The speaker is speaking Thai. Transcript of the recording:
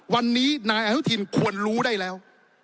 วันนี้นายอนุทินควรรู้ได้แล้ว